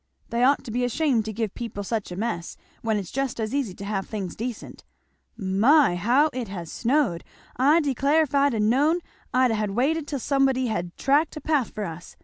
"They ought to be ashamed to give people such a mess, when it's just as easy to have things decent. My! how it has snowed. I declare, if I'd ha' known I'd ha' waited till somebody had tracked a path for us.